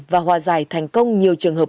và hòa giải thành công nhiều trường hợp